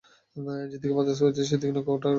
যেদিকে বাতাস বইছে, সেদিকে নৌকাটা রাখো।